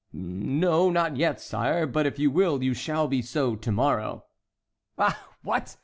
"No, not yet, sire; but, if you will, you shall be so to morrow." "Ah—what!"